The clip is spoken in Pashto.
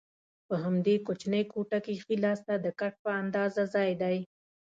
په همدې کوچنۍ کوټه کې ښي لاسته د کټ په اندازه ځای دی.